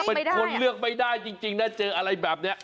เป็นคนเลือกไม่ได้จริงนะเจออะไรแบบนี้